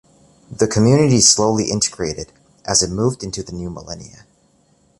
The community slowly integrated as it moved into the new millennia.